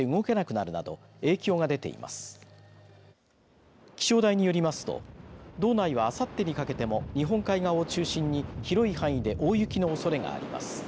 気象台によりますと道内はあさってにかけても日本海側を中心に広い範囲で大雪のおそれがあります。